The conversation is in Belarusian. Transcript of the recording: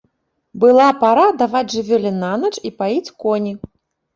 Была пара даваць жывёле нанач і паіць коні.